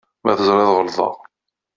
Ma teẓriḍ ɣelḍeɣ.